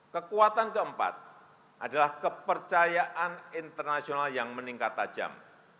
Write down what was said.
kekuatan keempat adalah kepercayaan internasional yang meningkat tajam